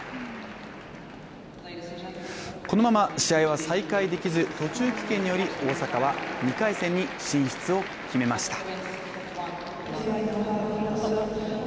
このまま試合は再開できず途中棄権により大坂は２回戦に進出を決めました。